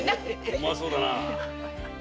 うまそうだなあ！